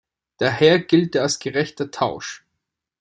Daher gilt er als gerechter Tausch.